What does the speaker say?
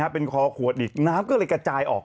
เป็นคอขวดอีกน้ำก็เลยกระจายออก